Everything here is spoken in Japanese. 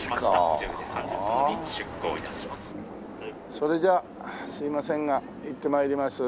それじゃすいませんが行って参ります。